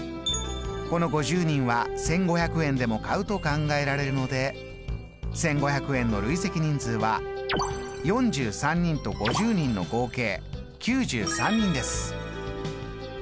この５０人は１５００円でも買うと考えられるので１５００円の累積人数は４３人と５０人の合計９３人です。